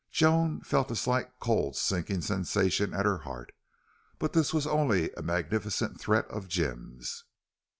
Joan felt a slight cold sinking sensation at her heart. But this was only a magnificent threat of Jim's.